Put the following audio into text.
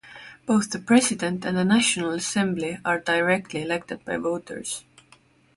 Both the President and the National Assembly are directly elected by voters.